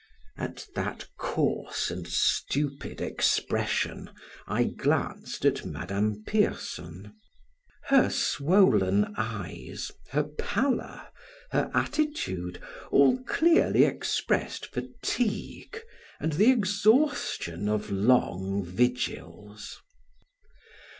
At that coarse and stupid expression, I glanced at Madame Pierson; her swollen eyes, her pallor, her attitude, all clearly expressed fatigue and the exhaustion of long vigils.